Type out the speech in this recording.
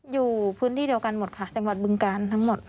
อยู่พื้นที่เดียวกันหมดค่ะจังหวัดบึงการทั้งหมด